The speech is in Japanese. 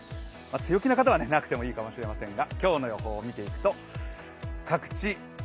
強気な方はなくてもいいかもしれませんが。